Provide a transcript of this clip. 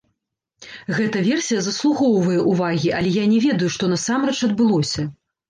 Гэта версія заслугоўвае ўвагі, але я не ведаю, што насамрэч адбылося.